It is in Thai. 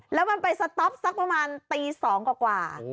แล้วมันไปสต๊อปสักประมาณตี๒กว่า